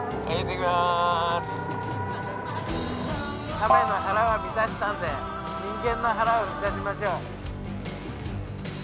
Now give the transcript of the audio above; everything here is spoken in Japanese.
カメの腹は満たしたんで人間の腹を満たしましょう。